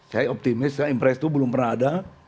saya optimis impres itu belum pernah ada